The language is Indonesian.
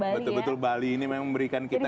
betul betul bali ini memang memberikan kita